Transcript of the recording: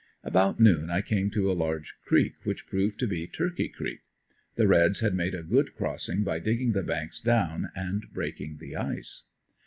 About noon I came to a large creek, which proved to be "Turkey Creek." The reds had made a good crossing by digging the banks down and breaking the ice.